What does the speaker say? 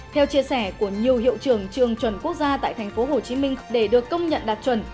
theo chia sẻ của nhiều hiệu trưởng trường chuẩn quốc gia tại tp hcm để được công nhận đạt chuẩn